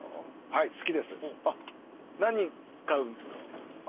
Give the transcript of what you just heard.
何買うんですか？